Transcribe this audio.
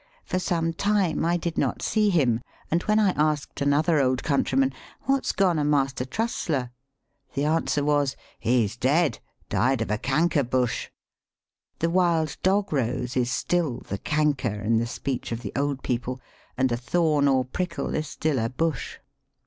For some time I did not see him, and when I asked another old countryman, "What's gone o' Master Trussler?" the answer was, "He's dead died of a canker bush." The wild Dog rose is still the "canker" in the speech of the old people, and a thorn or prickle is still a "bush."